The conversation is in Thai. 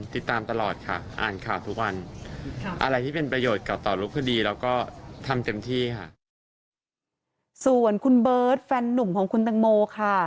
ส่วนคุณเบิร์ตแฟนหนุ่มของคุณตังโมค่ะ